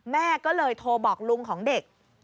แม่ก็เลยโทรบอกลุงของเด็ก